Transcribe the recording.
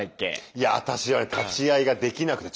いやあたしは立ち会いができなくて。